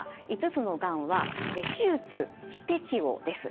５つのがんは手術非適応です。